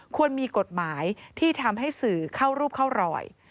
ควรมีกฎหมายที่ทำให้สื่อเข้ารูปเข้ารอย